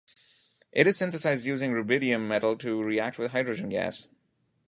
It is synthesized using rubidium metal to react with hydrogen gas.